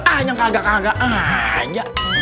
ah yang kagak kaga aja